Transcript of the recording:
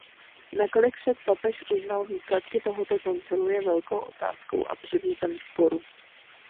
Nakolik však papež uznal výsledky tohoto koncilu je velkou otázkou a předmětem sporů.